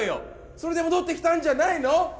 それで戻ってきたんじゃないの？